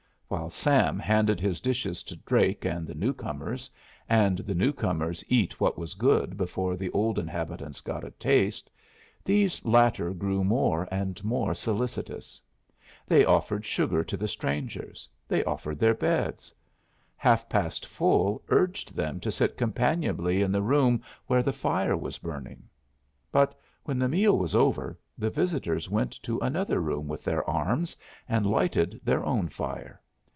While Sam handed his dishes to Drake and the new comers, and the new comers eat what was good before the old inhabitants got a taste, these latter grew more and more solicitous. They offered sugar to the strangers, they offered their beds; Half past Full urged them to sit companionably in the room where the fire was burning. But when the meal was over, the visitors went to another room with their arms, and lighted their own fire.